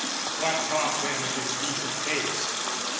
What talk then of indecent haste?